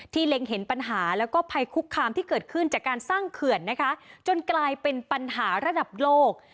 เล็งเห็นปัญหาแล้วก็ภัยคุกคามที่เกิดขึ้นจากการสร้างเขื่อนนะคะจนกลายเป็นปัญหาระดับโลก